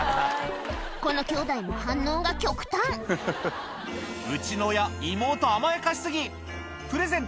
この兄弟も反応が極端「うちの親妹甘やかし過ぎプレゼントに車？」